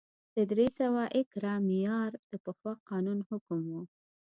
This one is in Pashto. د درې سوه ایکره معیار د پخوا قانون حکم و